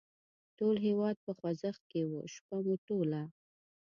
ټول هېواد په خوځښت کې و، شپه مو ټوله.